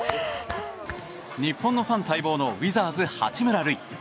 日本のファン待望のウィザーズ、八村塁。